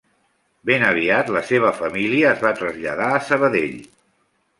Ben aviat la seva família es va traslladar a Sabadell.